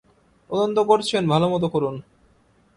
তদন্ত করছেন, ভালোমতো করুন।